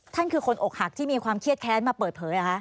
คือคนอกหักที่มีความเครียดแค้นมาเปิดเผยเหรอคะ